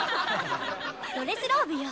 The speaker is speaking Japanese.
ドレスローブよ